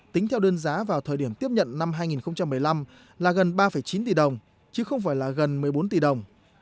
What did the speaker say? tính theo đơn giá vào thời điểm tiếp nhận năm hai nghìn một mươi năm là gần ba chín tỷ đồng chứ không phải là gần một mươi bốn tỷ đồng